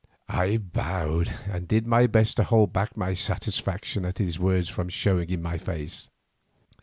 I bowed, and did my best to hold back my satisfaction at his words from showing in my face.